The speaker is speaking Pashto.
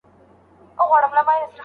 مسنونه دعاء کول.